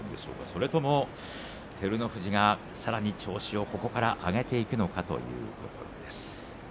それとも照ノ富士がさらに調子をここから上げていくのかというところです。